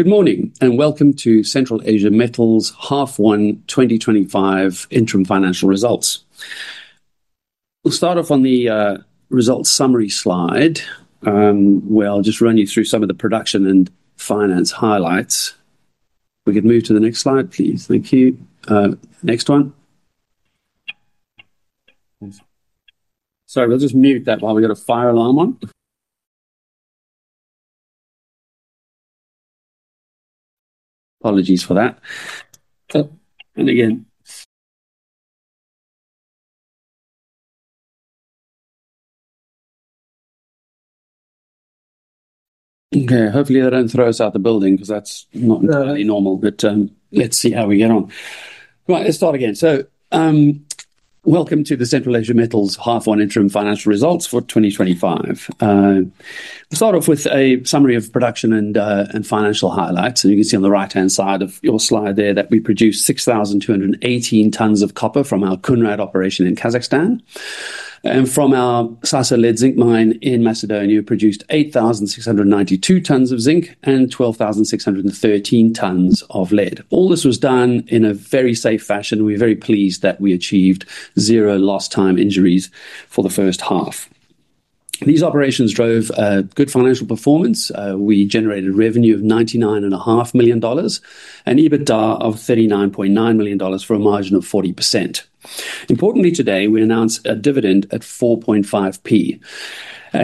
Good morning and welcome to Central Asia Metals Half One 2025 interim financial results. We'll start off on the results summary slide. We'll just run you through some of the production and finance highlights. If we could move to the next slide, please. Thank you. Next one. Sorry, we'll just mute that while we got a fire alarm on. Apologies for that. Okay, hopefully they don't throw us out of the building because that's not normal, but let's see how we get on. Right, let's start again. So, welcome to the Central Asia Metals Half One interim financial results for 2025. We'll start off with a summary of production and financial highlights. You can see on the right-hand side of your slide there that we produced 6,218 tons of copper from our Kounrad operation in Kazakhstan. From our Sasa lead-zinc mine in North Macedonia, we produced 8,692 tons of zinc and 12,613 tons of lead. All this was done in a very safe fashion. We're very pleased that we achieved zero lost time injuries for the first half. These operations drove good financial performance. We generated a revenue of $99.5 million and EBITDA of $39.9 million for a margin of 40%. Importantly today, we announced a dividend at 4.5p,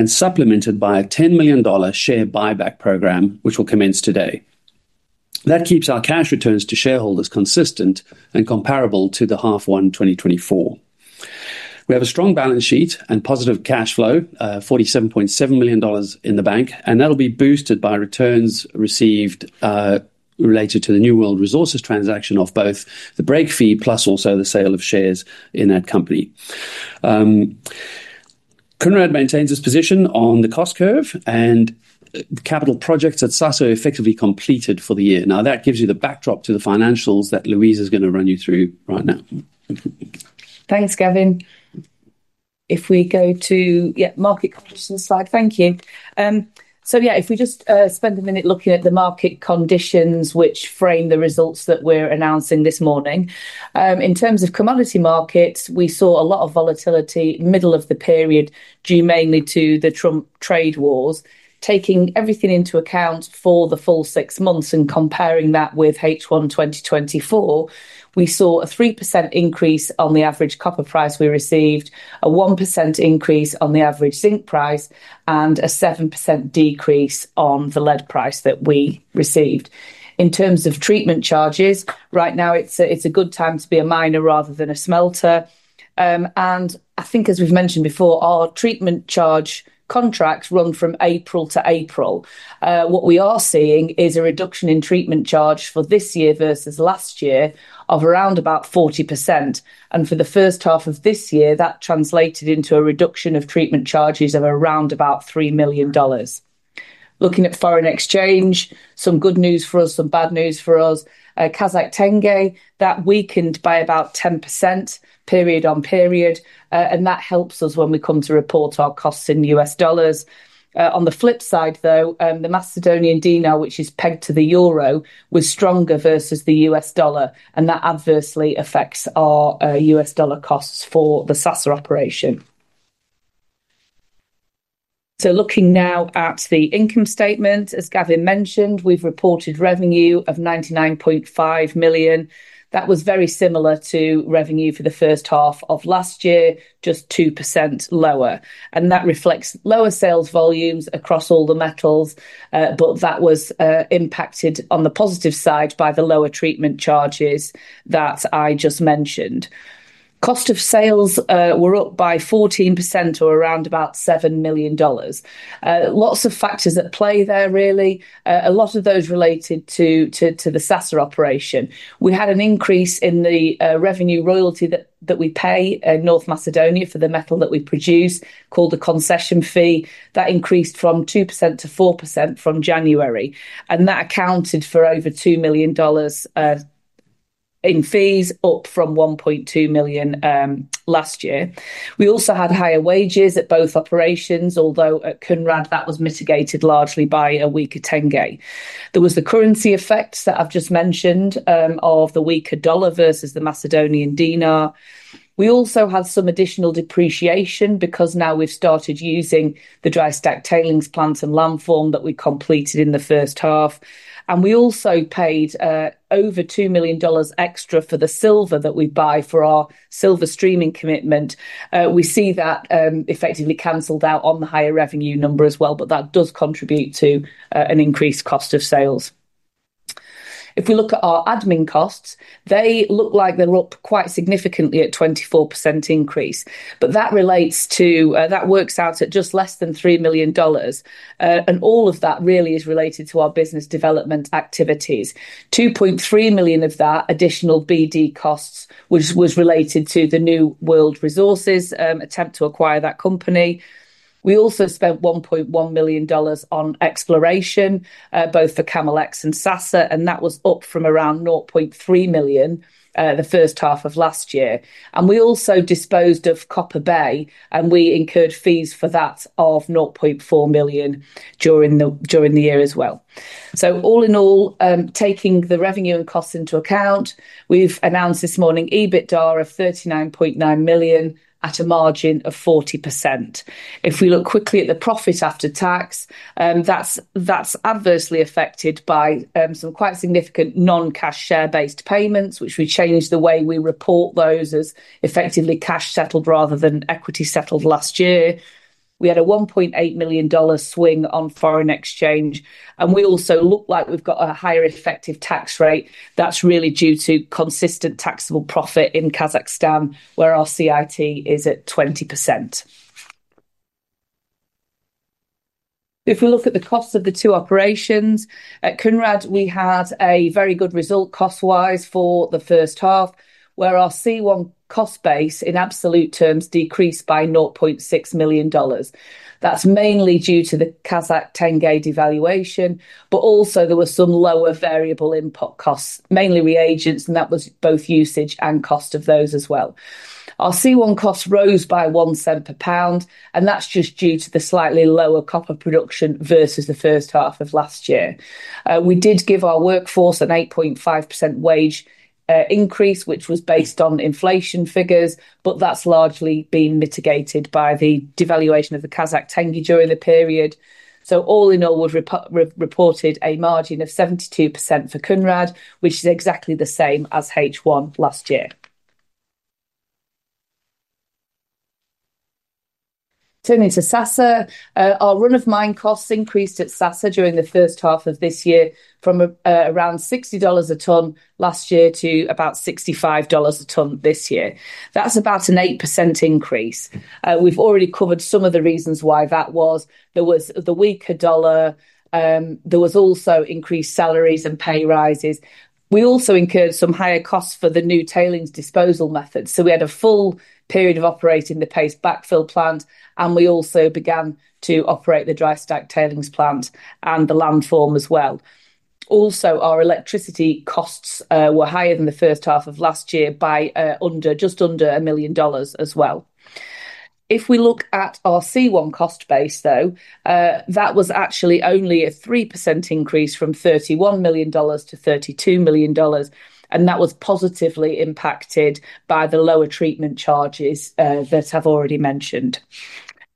supplemented by a $10 million share buyback program, which will commence today. That keeps our cash returns to shareholders consistent and comparable to the Half One 2024. We have a strong balance sheet and positive cash flow, $47.7 million in the bank, and that'll be boosted by returns received related to the New World Resources transaction of both the break fee plus also the sale of shares in that company. Kounrad maintains its position on the cost curve and the capital projects at Sasa are effectively completed for the year. That gives you the backdrop to the financials that Louise is going to run you through right now. Thanks, Gavin. If we go to, yeah, market conditions slide, thank you. If we just spend a minute looking at the market conditions which frame the results that we're announcing this morning. In terms of commodity markets, we saw a lot of volatility middle of the period due mainly to the Trump trade wars. Taking everything into account for the full six months and comparing that with H1 2024, we saw a 3% increase on the average copper price we received, a 1% increase on the average zinc price, and a 7% decrease on the lead price that we received. In terms of treatment charges, right now it's a good time to be a miner rather than a smelter. I think, as we've mentioned before, our treatment charge contracts run from April to April. What we are seeing is a reduction in treatment charge for this year versus last year of around 40%. For the first half of this year, that translated into a reduction of treatment charges of around $3 million. Looking at foreign exchange, some good news for us, some bad news for us. Kazakh tenge weakened by about 10% period on period, and that helps us when we come to report our costs in U.S. dollars. On the flip side, the Macedonian dinar, which is pegged to the euro, was stronger versus the U.S. dollar, and that adversely affects our U.S. dollar costs for the Sasa operation. Looking now at the income statement, as Gavin mentioned, we've reported revenue of $99.5 million. That was very similar to revenue for the first half of last year, just 2% lower. That reflects lower sales volumes across all the metals, but that was impacted on the positive side by the lower treatment charges that I just mentioned. Cost of sales were up by 14% or around $7 million. Lots of factors at play there, really. A lot of those related to the Sasa operation. We had an increase in the revenue royalty that we pay North Macedonia for the metal that we produce, called the concession fee. That increased from 2% to 4% from January. That accounted for over $2 million in fees, up from $1.2 million last year. We also had higher wages at both operations, although at Kounrad that was mitigated largely by a weaker tenge. There was the currency effects that I've just mentioned of the weaker dollar versus the Macedonian dinar. We also had some additional depreciation because now we've started using the dry stack tailings plant and landform that we completed in the first half. We also paid over $2 million extra for the silver that we buy for our silver streaming commitment. We see that effectively canceled out on the higher revenue number as well, but that does contribute to an increased cost of sales. If we look at our admin costs, they look like they're up quite significantly at a 24% increase. That works out at just less than $3 million, and all of that really is related to our business development activities. $2.3 million of that additional BD costs, which was related to the New World Resources attempt to acquire that company. We also spent $1.1 million on exploration, both for CamelX and Sasa, and that was up from around $0.3 million the first half of last year. We also disposed of Copper Bay, and we incurred fees for that of $0.4 million during the year as well. All in all, taking the revenue and costs into account, we've announced this morning EBITDA of $39.9 million at a margin of 40%. If we look quickly at the profit after tax, that's adversely affected by some quite significant non-cash share-based payments, which we changed the way we report those as effectively cash settled rather than equity settled last year. We had a $1.8 million swing on foreign exchange. We also look like we've got a higher effective tax rate. That's really due to consistent taxable profit in Kazakhstan, where our CIT is at 20%. If we look at the cost of the two operations, at Kounrad we had a very good result cost-wise for the first half, where our C1 cost base in absolute terms decreased by $0.6 million. That's mainly due to the Kazakh tenge devaluation, but also there were some lower variable input costs, mainly reagents, and that was both usage and cost of those as well. Our C1 cost rose by $0.01 per pound, and that's just due to the slightly lower copper production versus the first half of last year. We did give our workforce an 8.5% wage increase, which was based on inflation figures, but that's largely been mitigated by the devaluation of the Kazakh tenge during the period. All in all, we've reported a margin of 72% for Kounrad, which is exactly the same as H1 last year. Turning to Sasa, our run-of-mine costs increased at Sasa during the first half of this year from around $60 a ton last year to about $65 a ton this year. That's about an 8% increase. We've already covered some of the reasons why that was. There was the weaker dollar. There was also increased salaries and pay rises. We also incurred some higher costs for the new tailings disposal method. We had a full period of operating the paste backfill plant, and we also began to operate the dry stack tailings plant and the landform as well. Also, our electricity costs were higher than the first half of last year by just under $1 million as well. If we look at our C1 cost base, that was actually only a 3% increase from $31 million to $32 million, and that was positively impacted by the lower treatment charges that I've already mentioned.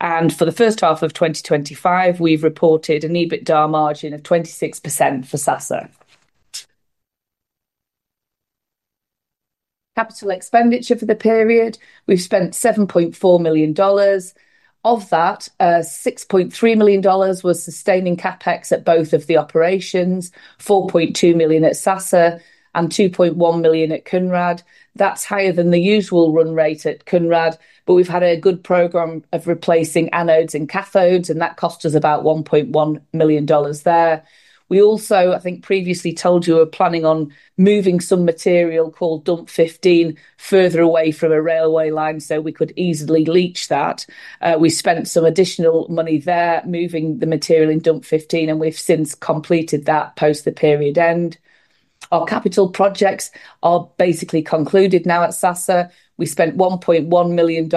For the first half of 2025, we've reported an EBITDA margin of 26% for Sasa. Capital expenditure for the period, we've spent $7.4 million. Of that, $6.3 million was sustaining CAPEX at both of the operations, $4.2 million at Sasa and $2.1 million at Kounrad. That's higher than the usual run rate at Kounrad, but we've had a good program of replacing anodes and cathodes, and that cost us about $1.1 million there. We also, I think previously told you, were planning on moving some material called Dump 15 further away from a railway line so we could easily leach that. We spent some additional money there moving the material in Dump 15, and we've since completed that post the period end. Our capital projects are basically concluded now at Sasa. We spent $1.1 million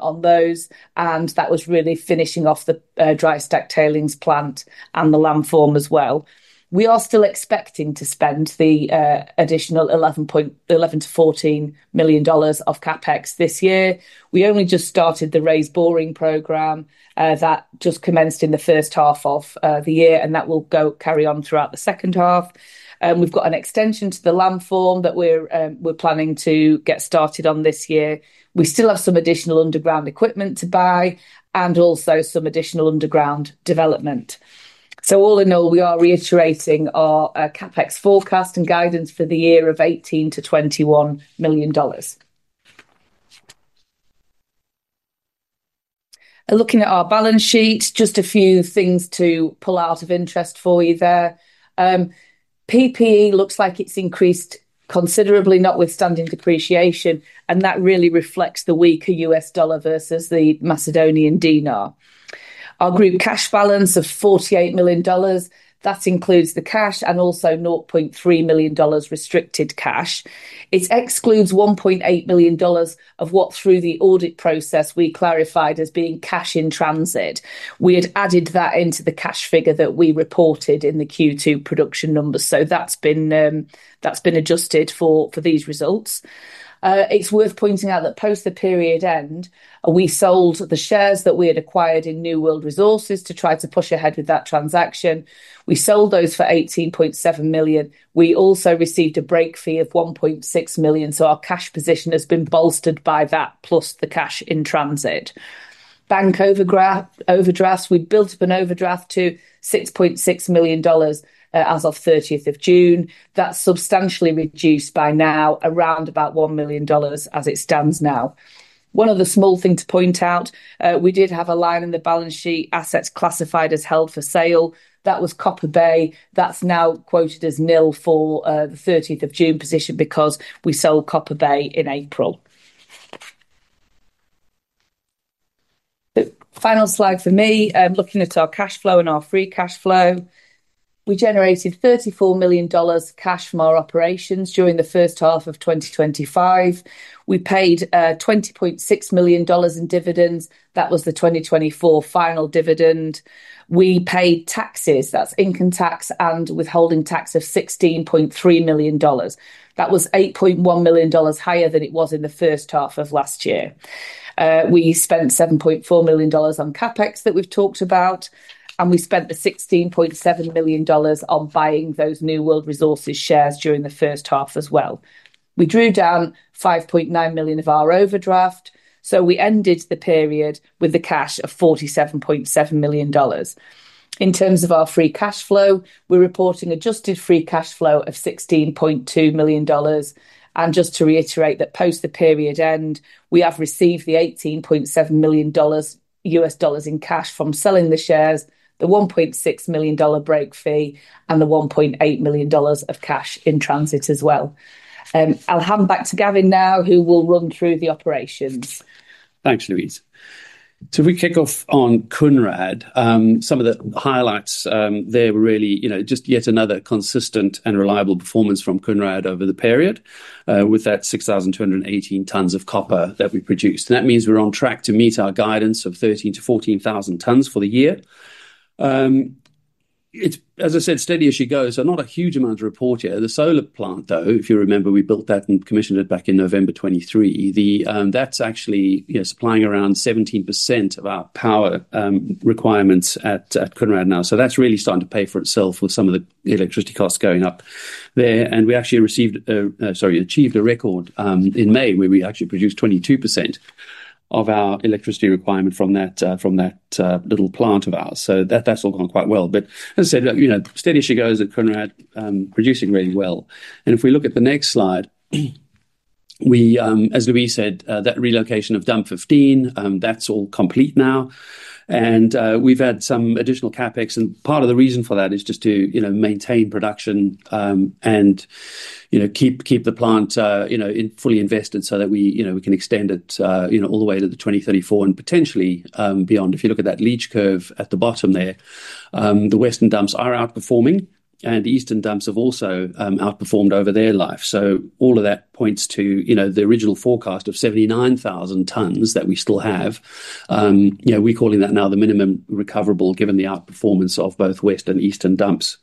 on those, and that was really finishing off the dry stack tailings plant and the landform as well. We are still expecting to spend the additional $11 to $14 million of CAPEX this year. We only just started the raised boring program that just commenced in the first half of the year, and that will carry on throughout the second half. We've got an extension to the landform that we're planning to get started on this year. We still have some additional underground equipment to buy and also some additional underground development. All in all, we are reiterating our CAPEX forecast and guidance for the year of $18 to $21 million. Looking at our balance sheet, just a few things to pull out of interest for you there. PPE looks like it's increased considerably, notwithstanding depreciation, and that really reflects the weaker US dollar versus the Macedonian dinar. Our group cash balance of $48 million, that includes the cash and also $0.3 million restricted cash. It excludes $1.8 million of what through the audit process we clarified as being cash in transit. We had added that into the cash figure that we reported in the Q2 production numbers, so that's been adjusted for these results. It's worth pointing out that post the period end, we sold the shares that we had acquired in New World Resources to try to push ahead with that transaction. We sold those for $18.7 million. We also received a break fee of $1.6 million, so our cash position has been bolstered by that plus the cash in transit. Bank overdrafts, we built up an overdraft to $6.6 million as of 30th of June. That's substantially reduced by now, around about $1 million as it stands now. One other small thing to point out, we did have a line in the balance sheet, assets classified as held for sale. That was Copper Bay. That's now quoted as nil for the 30th of June position because we sold Copper Bay in April. Final slide for me, looking at our cash flow and our free cash flow. We generated $34 million cash from our operations during the first half of 2025. We paid $20.6 million in dividends. That was the 2024 final dividend. We paid taxes, that's income tax and withholding tax of $16.3 million. That was $8.1 million higher than it was in the first half of last year. We spent $7.4 million on CAPEX that we've talked about, and we spent the $16.7 million on buying those New World Resources shares during the first half as well. We drew down $5.9 million of our overdraft, so we ended the period with the cash of $47.7 million. In terms of our free cash flow, we're reporting adjusted free cash flow of $16.2 million. Just to reiterate that post the period end, we have received the $18.7 million US dollars in cash from selling the shares, the $1.6 million break fee, and the $1.8 million of cash in transit as well. I'll hand back to Gavin now, who will run through the operations. Thanks, Louise. If we kick off on Kounrad, some of the highlights there were really just yet another consistent and reliable performance from Kounrad over the period with that 6,218 tons of copper that we produced. That means we're on track to meet our guidance of 13,000 to 14,000 tons for the year. As I said, steady as she goes, not a huge amount to report here. The solar plant, if you remember, we built that and commissioned it back in November 2023. That's actually supplying around 17% of our power requirements at Kounrad now. That's really starting to pay for itself with some of the electricity costs going up there. We actually achieved a record in May where we produced 22% of our electricity requirement from that little plant of ours. That's all gone quite well. As I said, steady as she goes at Kounrad, producing really well. If we look at the next slide, as Louise said, that relocation of Dump 15, that's all complete now. We've had some additional CAPEX, and part of the reason for that is just to maintain production and keep the plant fully invested so that we can extend it all the way to 2034 and potentially beyond. If you look at that leach curve at the bottom there, the western dumps are outperforming and the eastern dumps have also outperformed over their life. All of that points to the original forecast of 79,000 tons that we still have. We're calling that now the minimum recoverable given the outperformance of both west and eastern dumps.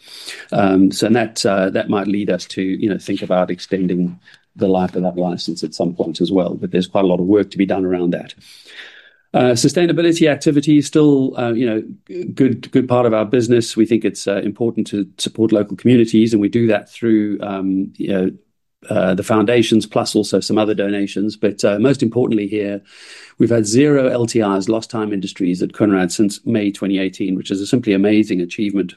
That might lead us to think about extending the life of that license at some point as well. There's quite a lot of work to be done around that. Sustainability activity is still a good part of our business. We think it's important to support local communities and we do that through the foundations plus also some other donations. Most importantly here, we've had zero lost time injuries at Kounrad since May 2018, which is a simply amazing achievement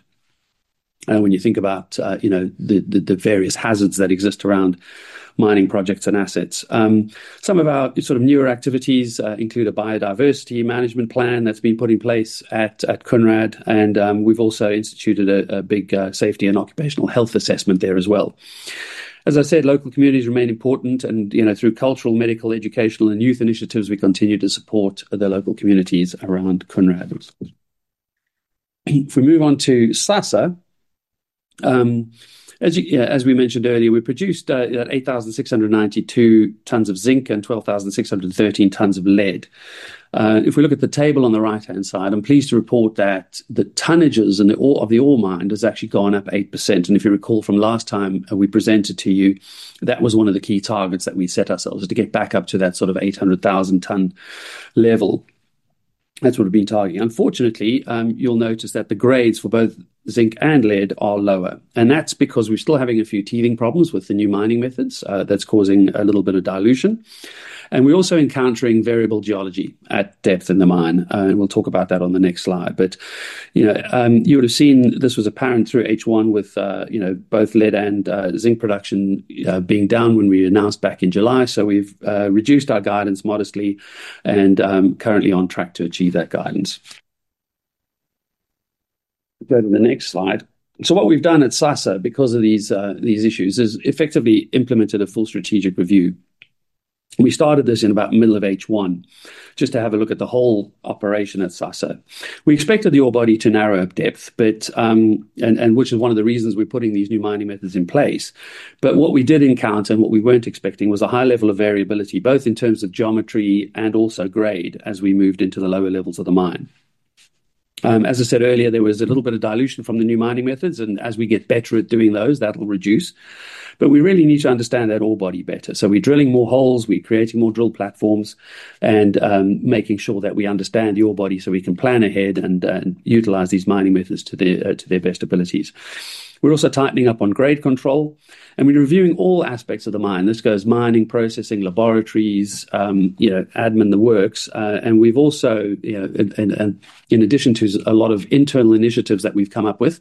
when you think about the various hazards that exist around mining projects and assets. Some of our newer activities include a biodiversity management plan that's been put in place at Kounrad and we've also instituted a big safety and occupational health assessment there as well. As I said, local communities remain important and, you know, through cultural, medical, educational, and youth initiatives we continue to support the local communities around Kounrad. If we move on to Sasa, as we mentioned earlier, we produced that 8,692 tons of zinc and 12,613 tons of lead. If we look at the table on the right-hand side, I'm pleased to report that the tonnages of the ore mined has actually gone up 8%. If you recall from last time we presented to you, that was one of the key targets that we set ourselves to get back up to that sort of 800,000 ton level. That's what we've been targeting. Unfortunately, you'll notice that the grades for both zinc and lead are lower. That's because we're still having a few teething problems with the new mining methods that's causing a little bit of dilution. We're also encountering variable geology at depth in the mine. We'll talk about that on the next slide. You would have seen this was apparent through H1 with both lead and zinc production being down when we announced back in July. We've reduced our guidance modestly and currently on track to achieve that guidance. Go to the next slide. What we've done at Sasa because of these issues is effectively implemented a full strategic review. We started this in about the middle of H1 just to have a look at the whole operation at Sasa. We expected the ore body to narrow at depth, which is one of the reasons we're putting these new mining methods in place. What we did encounter and what we weren't expecting was a high level of variability both in terms of geometry and also grade as we moved into the lower levels of the mine. As I said earlier, there was a little bit of dilution from the new mining methods and as we get better at doing those, that'll reduce. We really need to understand that ore body better. We're drilling more holes, we're creating more drill platforms and making sure that we understand the ore body so we can plan ahead and utilize these mining methods to their best abilities. We're also tightening up on grade control and we're reviewing all aspects of the mine. This goes mining, processing, laboratories, admin, the works. We've also, in addition to a lot of internal initiatives that we've come up with,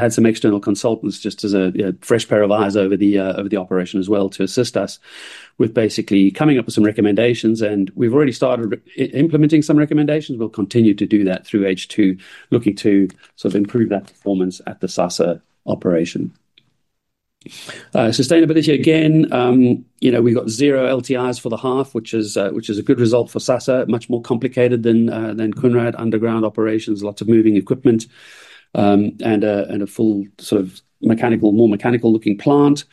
had some external consultants as a fresh pair of eyes over the operation as well to assist us with basically coming up with some recommendations. We've already started implementing some recommendations. We'll continue to do that through H2, looking to improve that performance at the Sasa operation. Sustainability again, we got zero lost time injuries for the half, which is a good result for Sasa, much more complicated than Kounrad underground operations, lots of moving equipment and a full, more mechanical looking plant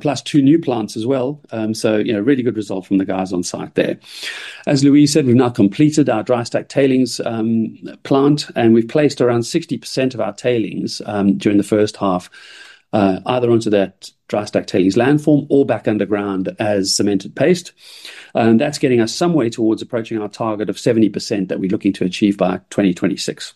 plus two new plants as well. Really good result from the guys on site there. As Louise said, we've now completed our dry stack tailings plant and we've placed around 60% of our tailings during the first half either onto the dry stack tailings landform or back underground as cemented paste. That's getting us some way towards approaching our target of 70% that we're looking to achieve by 2026.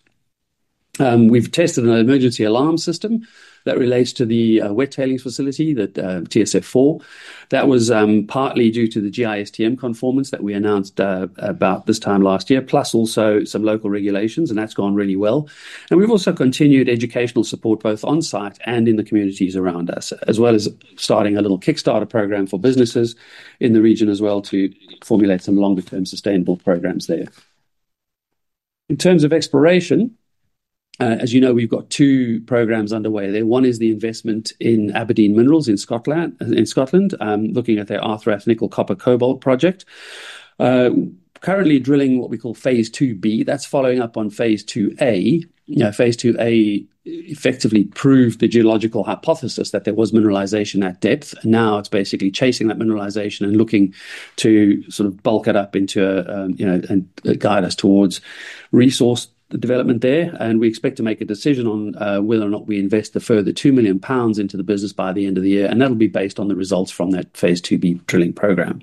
We've tested an emergency alarm system that relates to the wet tailings facility, the TSF4. That was partly due to the GISTM conformance that we announced about this time last year, plus also some local regulations, and that's gone really well. We've also continued educational support both on site and in the communities around us, as well as starting a little Kickstarter program for businesses in the region to formulate some longer term sustainable programs there. In terms of exploration, we've got two programs underway there. One is the investment in Aberdeen Minerals in Scotland, looking at their Arthrex nickel-copper-cobalt project. Currently drilling what we call phase 2B, that's following up on phase 2A. Phase 2A effectively proved the geological hypothesis that there was mineralization at depth. Now it's basically chasing that mineralization and looking to bulk it up and guide us towards resource development there. We expect to make a decision on whether or not we invest the further £2 million into the business by the end of the year. That'll be based on the results from that phase 2B drilling program.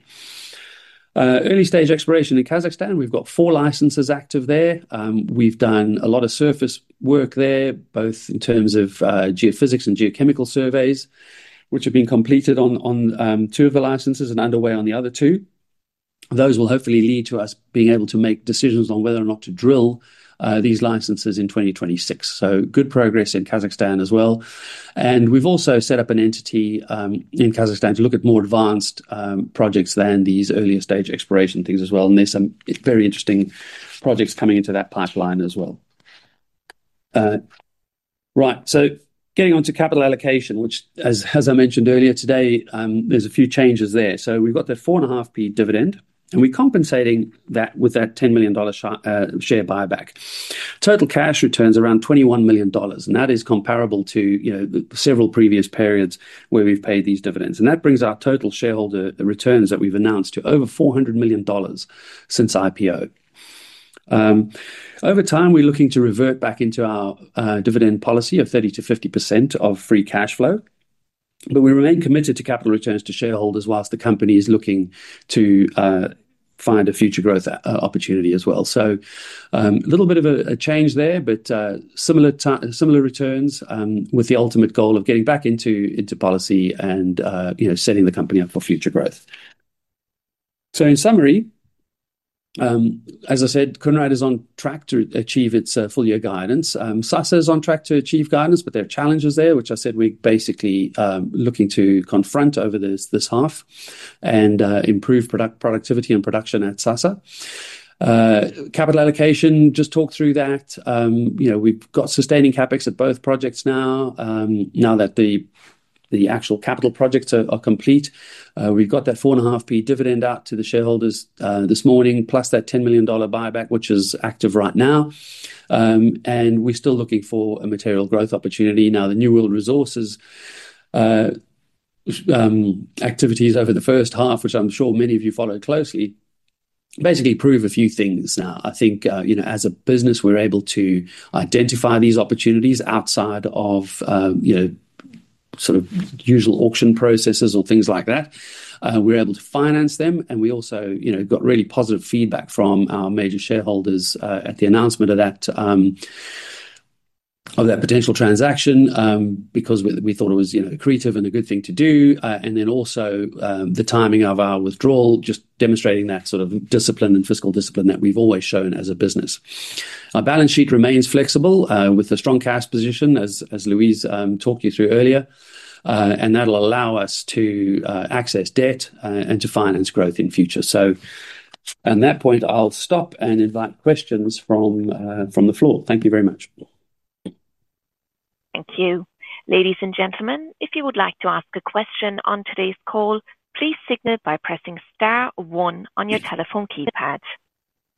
Early stage exploration in Kazakhstan, we've got four licenses active there. We've done a lot of surface work there, both in terms of geophysics and geochemical surveys, which have been completed on two of the licenses and are underway on the other two. Those will hopefully lead to us being able to make decisions on whether or not to drill these licenses in 2026. Good progress in Kazakhstan as well. We've also set up an entity in Kazakhstan to look at more advanced projects than these earlier stage exploration things as well. There are some very interesting projects coming into that pipeline as well. Right, getting on to capital allocation, which as I mentioned earlier today, there are a few changes there. We've got the 4.5p dividend and we're compensating that with that $10 million share buyback. Total cash returns are around $21 million, and that is comparable to several previous periods where we've paid these dividends. That brings our total shareholder returns that we've announced to over $400 million since IPO. Over time, we're looking to revert back into our dividend policy of 30% to 50% of free cash flow. We remain committed to capital returns to shareholders while the company is looking to find a future growth opportunity as well. A little bit of a change there, but similar returns with the ultimate goal of getting back into policy and setting the company up for future growth. In summary, as I said, Kounrad is on track to achieve its full year guidance. Sasa is on track to achieve guidance, but there are challenges there, which I said we're basically looking to confront over this half and improve productivity and production at Sasa. Capital allocation, just talked through that. We've got sustaining CAPEX at both projects now. Now that the actual capital projects are complete, we've got that 4.5p dividend out to the shareholders this morning, plus that $10 million buyback, which is active right now. We're still looking for a material growth opportunity. The New World Resources activities over the first half, which I'm sure many of you followed closely, basically prove a few things now. I think as a business, we're able to identify these opportunities outside of usual auction processes or things like that. We're able to finance them, and we also got really positive feedback from our major shareholders at the announcement of that potential transaction because we thought it was creative and a good thing to do. The timing of our withdrawal just demonstrates that sort of discipline and fiscal discipline that we've always shown as a business. Our balance sheet remains flexible with a strong cash position, as Louise talked you through earlier. That'll allow us to access debt and to finance growth in the future. At that point, I'll stop and invite questions from the floor. Thank you very much. Thank you. Ladies and gentlemen, if you would like to ask a question on today's call, please signal it by pressing *1 on your telephone keypad.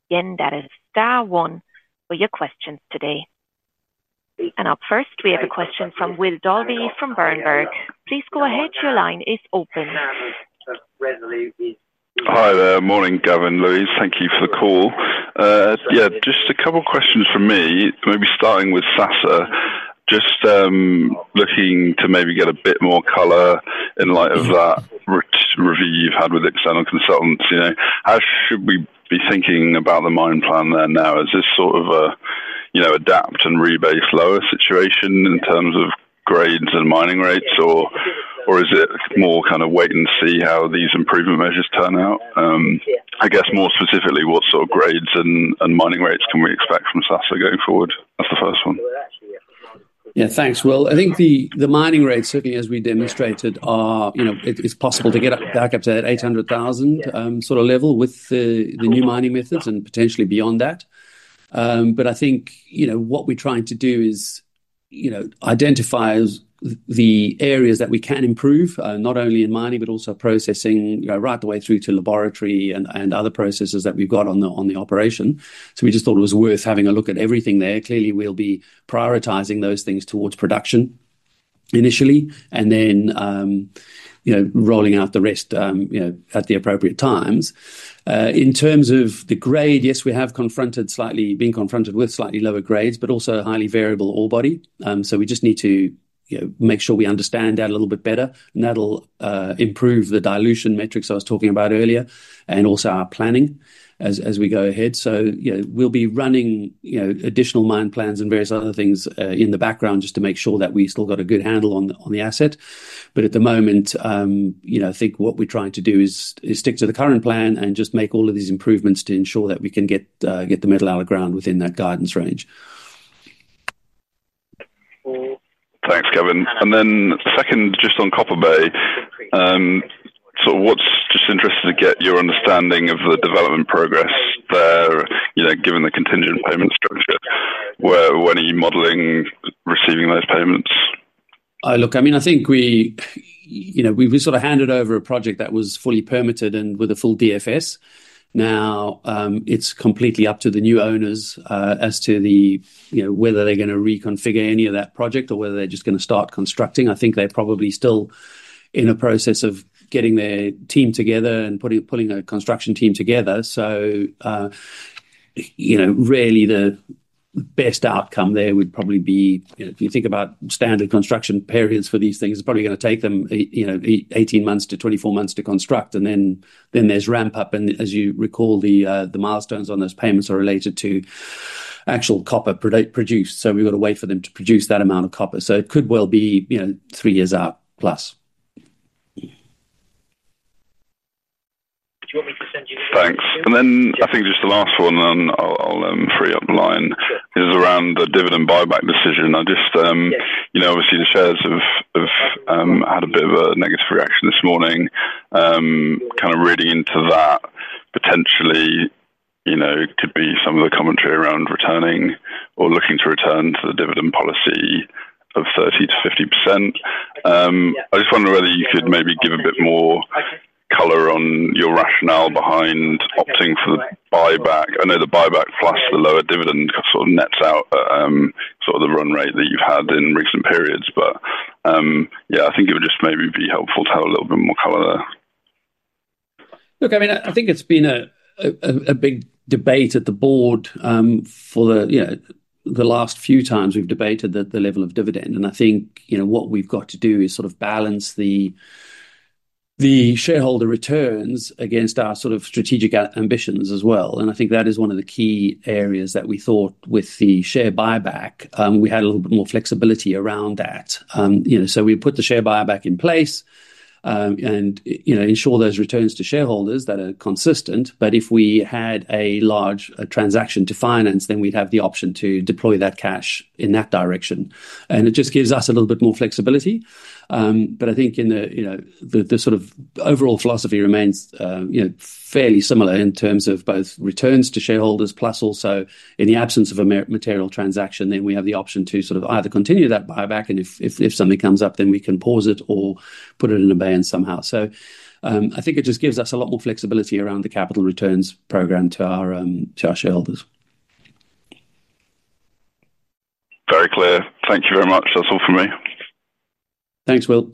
Again, that is *1 for your questions today. Up first, we have a question from Will Dalby from Berenberg. Please go ahead, your line is open. Hi, morning Gavin, Louise, thank you for the call. Just a couple of questions from me, maybe starting with Sasa. Just looking to maybe get a bit more color in light of that review you've had with external consultants. How should we be thinking about the mine plan there now? Is this sort of a, you know, adapt and rebase lower situation in terms of grades and mining rates, or is it more kind of wait and see how these improvement measures turn out? I guess more specifically, what sort of grades and mining rates can we expect from Sasa going forward? That's the first one. Thank you. I think the mining rates, certainly as we demonstrated, are, you know, it's possible to get back up to that 800,000 sort of level with the new mining methods and potentially beyond that. I think what we're trying to do is, you know, identify the areas that we can improve, not only in mining, but also processing, right the way through to laboratory and other processes that we've got on the operation. We just thought it was worth having a look at everything there. Clearly, we'll be prioritizing those things towards production initially and then rolling out the rest at the appropriate times. In terms of the grade, yes, we have been confronted with slightly lower grades, but also a highly variable ore body. We just need to make sure we understand that a little bit better. That'll improve the dilution metrics I was talking about earlier and also our planning as we go ahead. We'll be running additional mine plans and various other things in the background just to make sure that we've still got a good handle on the asset. At the moment, I think what we're trying to do is stick to the current plan and just make all of these improvements to ensure that we can get the metal out of the ground within that guidance range. Thanks, Gavin. Second, just on Copper Bay, what's just interested to get your understanding of the development progress there, given the contingent payment structure. Where are you modeling receiving those payments? I think we handed over a project that was fully permitted and with a full DFS. Now it's completely up to the new owners as to whether they're going to reconfigure any of that project or whether they're just going to start constructing. I think they're probably still in a process of getting their team together and pulling a construction team together. Really the best outcome there would probably be, if you think about standard construction periods for these things, it's probably going to take them 18 months to 24 months to construct, and then there's ramp up. As you recall, the milestones on those payments are related to actual copper produced. We've got to wait for them to produce that amount of copper. It could well be three years up plus. Thanks. I think just the last one, and then I'll free up the line, is around the dividend buyback decision. I just, you know, obviously the shares have had a bit of a negative reaction this morning. Kind of reading into that, potentially, you know, could be some of the commentary around returning or looking to return to the dividend policy of 30 to 50%. I just wonder whether you could maybe give a bit more color on your rationale behind getting for the buyback. I know the buyback plus the lower dividend sort of nets out sort of the run rate that you've had in recent periods. I think it would just maybe be helpful to have a little bit more color there. I think it's been a big debate at the board for the last few times we've debated the level of dividend. I think what we've got to do is sort of balance the shareholder returns against our sort of strategic ambitions as well. That is one of the key areas that we thought with the share buyback, we had a little bit more flexibility around that. We put the share buyback in place and ensure those returns to shareholders that are consistent. If we had a large transaction to finance, then we'd have the option to deploy that cash in that direction. It just gives us a little bit more flexibility. I think the sort of overall philosophy remains fairly similar in terms of both returns to shareholders plus also in the absence of a material transaction, then we have the option to either continue that buyback and if something comes up, then we can pause it or put it in a band somehow. I think it just gives us a lot more flexibility around the capital returns program to our shareholders. Very clear. Thank you very much. That's all for me. Thanks, Will.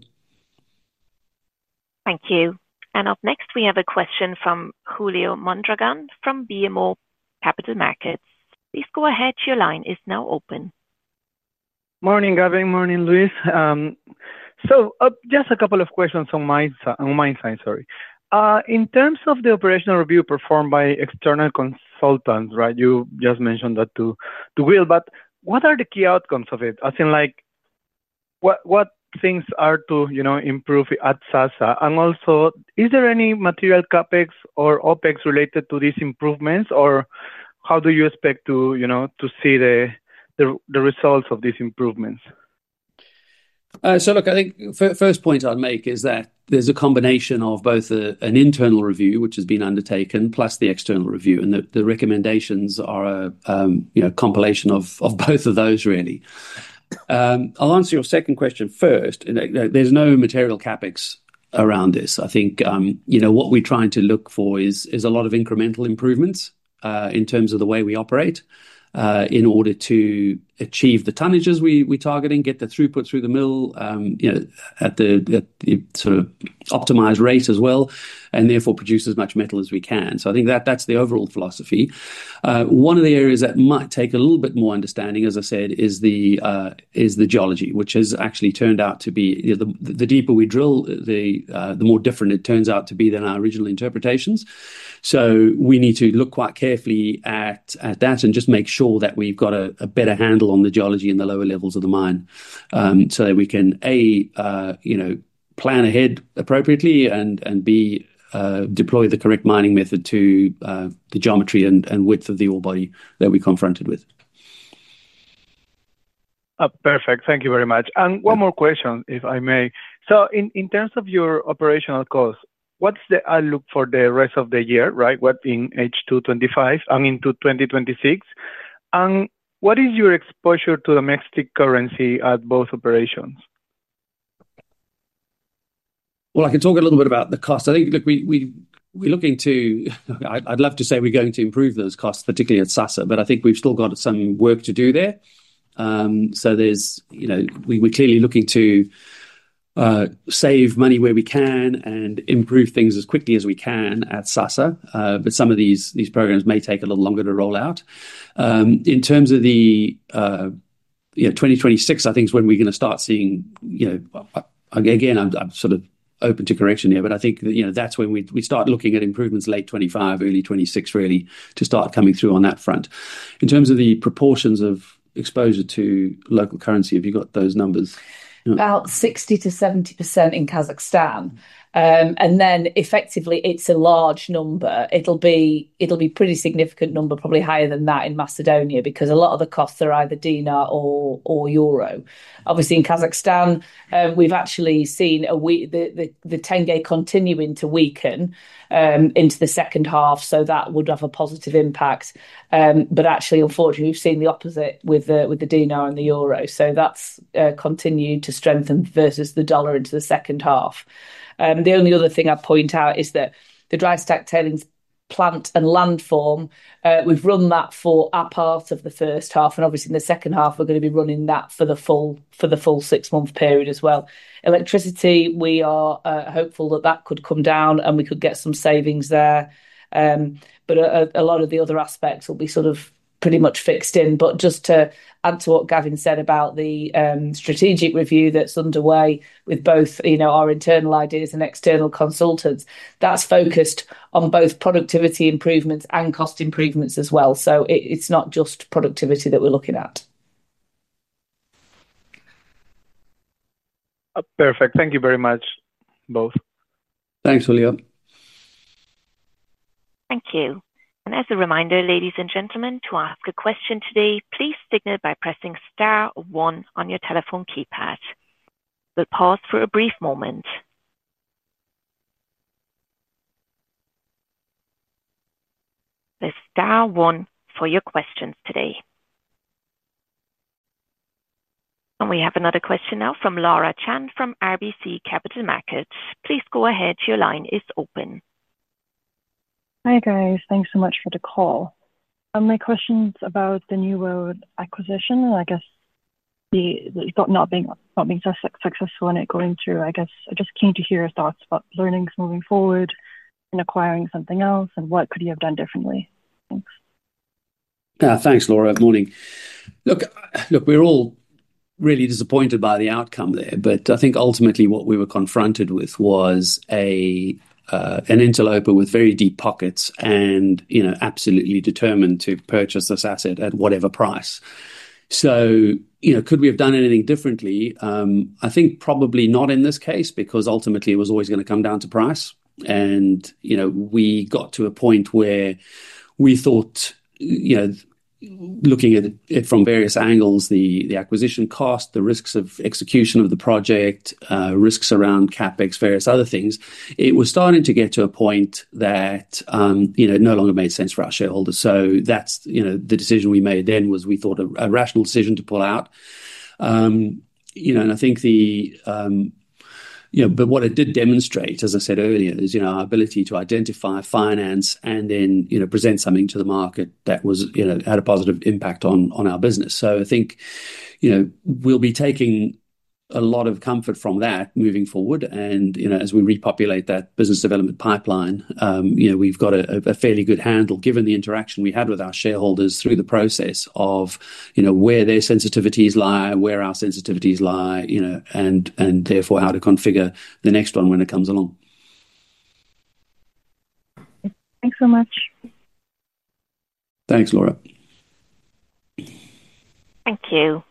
Thank you. Up next, we have a question from Julio Mondragon from BMO Capital Markets. Please go ahead, your line is now open. Morning Gavin, morning Louise. Just a couple of questions on my side. In terms of the operational review performed by external consultants, you just mentioned that to Will, but what are the key outcomes of it? As in, what things are to improve at Sasa? Also, is there any material CAPEX or OPEX related to these improvements? How do you expect to see the results of these improvements? I think the first point I'd make is that there's a combination of both an internal review, which has been undertaken, plus the external review. The recommendations are a compilation of both of those really. I'll answer your second question first. There's no material CAPEX around this. I think what we're trying to look for is a lot of incremental improvements in terms of the way we operate in order to achieve the tonnages we're targeting, get the throughput through the mill at the sort of optimized rate as well, and therefore produce as much metal as we can. I think that that's the overall philosophy. One of the areas that might take a little bit more understanding, as I said, is the geology, which has actually turned out to be, the deeper we drill, the more different it turns out to be than our original interpretations. We need to look quite carefully at that and just make sure that we've got a better handle on the geology in the lower levels of the mine so that we can, A, plan ahead appropriately and B, deploy the correct mining method to the geometry and width of the ore body that we are confronted with. Perfect. Thank you very much. One more question, if I may. In terms of your operational costs, what's the outlook for the rest of the year, right? What in H2 2025 and in 2026? What is your exposure to the tenge at both operations? I can talk a little bit about the cost. I think, look, we're looking to, I'd love to say we're going to improve those costs, particularly at Sasa, but I think we've still got some work to do there. We're clearly looking to save money where we can and improve things as quickly as we can at Sasa. Some of these programs may take a little longer to roll out. In terms of 2026, I think is when we're going to start seeing, again, I'm sort of open to correction here, but I think that's when we start looking at improvements late 2025, early 2026 really to start coming through on that front. In terms of the proportions of exposure to local currency, have you got those numbers? About 60 to 70% in Kazakhstan. It's a large number. It'll be a pretty significant number, probably higher than that in North Macedonia, because a lot of the costs are either dinar or euro. Obviously, in Kazakhstan, we've actually seen the tenge continuing to weaken into the second half, so that would have a positive impact. Unfortunately, we've seen the opposite with the dinar and the euro. That's continued to strengthen versus the dollar into the second half. The only other thing I'd point out is that the dry stack tailings plant and landform, we've run that for up half of the first half. In the second half, we're going to be running that for the full six-month period as well. Electricity, we are hopeful that that could come down and we could get some savings there. A lot of the other aspects will be sort of pretty much fixed in. Just to answer what Gavin said about the strategic review that's underway with both our internal ideas and external consultants, that's focused on both productivity improvements and cost improvements as well. It's not just productivity that we're looking at. Perfect. Thank you very much, both. Thanks, Julio. Thank you. As a reminder, ladies and gentlemen, to ask a question today, please signal by pressing *1 on your telephone keypad. We'll pause for a brief moment. There's *1 for your questions today. We have another question now from Laura Chan from RBC Capital Markets. Please go ahead, your line is open. Hi guys, thanks so much for the call. My question is about the New World acquisition and I guess the not being successful in it going through. I just came to hear your thoughts about learnings moving forward and acquiring something else and what could you have done differently? Thanks, Laura. Morning. We're all really disappointed by the outcome there, but I think ultimately what we were confronted with was an interloper with very deep pockets and absolutely determined to purchase this asset at whatever price. Could we have done anything differently? I think probably not in this case because ultimately it was always going to come down to price. We got to a point where we thought, looking at it from various angles, the acquisition cost, the risks of execution of the project, risks around CAPEX, various other things, it was starting to get to a point that it no longer made sense for our shareholders. That's the decision we made then; we thought a rational decision to pull out. What it did demonstrate, as I said earlier, is our ability to identify, finance, and then present something to the market that had a positive impact on our business. I think we'll be taking a lot of comfort from that moving forward. As we repopulate that business development pipeline, we've got a fairly good handle given the interaction we had with our shareholders through the process of where their sensitivities lie, where our sensitivities lie, and therefore how to configure the next one when it comes along. Thanks so much. Thanks, Laura. Thank you.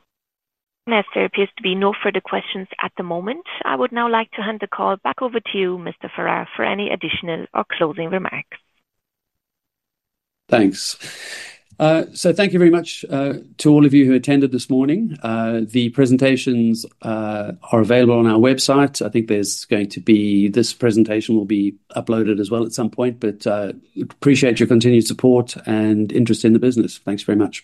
As there appears to be no further questions at the moment, I would now like to hand the call back over to you, Mr. Ferrar, for any additional or closing remarks. Thank you very much to all of you who attended this morning. The presentations are available on our website. I think this presentation will be uploaded as well at some point, but I appreciate your continued support and interest in the business. Thanks very much.